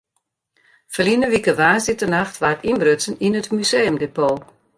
Ferline wike woansdeitenacht waard ynbrutsen yn it museumdepot.